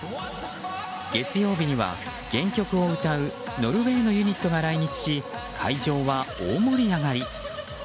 月曜日には原曲を歌うノルウェーのユニットが来日し会場は大盛り上がり。